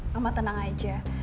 mama tenang aja